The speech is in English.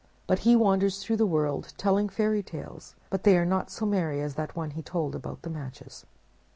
But he wanders through the world, telling fairy tales; but they are not so merry as that one he told about the Matches.